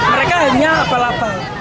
mereka hanya apal apal